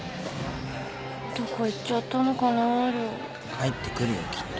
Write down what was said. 帰ってくるよきっと。